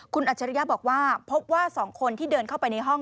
คุณอัจฉริยะบอกว่าพบว่า๒คนที่เดินเข้าไปในห้อง